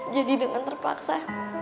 jadi dengan terpaksa